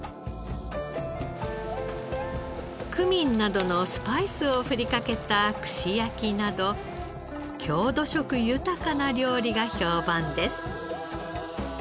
クミンなどのスパイスを振りかけた串焼きなど郷土色豊かな料理が評判です。